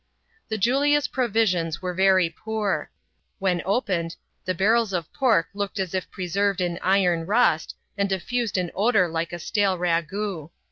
The Julia's provisions were very poor. When opened, the barrels of pork looked as if preserved in iron rust, and difPiised an odour like a stale ragout.